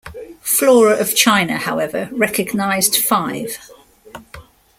Flora of China, however, recognized five.